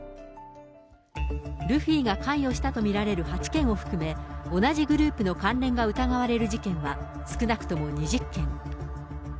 ルフィが関与したと見られる８県を含め、同じグループの関連が疑われる事件は、少なくとも２０件。